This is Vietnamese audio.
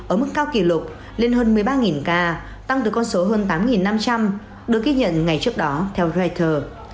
ở mức cao kỷ lục lên hơn một mươi ba ca tăng từ con số hơn tám năm trăm linh được ghi nhận ngày trước đó theo reuter